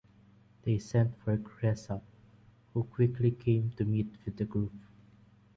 They sent for Cresap, who quickly came to meet with the group.